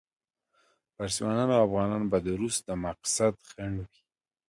فارسیان او افغانان به د روس د مقصد خنډ وي.